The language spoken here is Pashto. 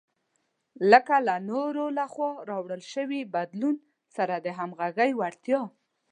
لکه له نورو لخوا راوړل شوي بدلون سره د همغږۍ وړتیا.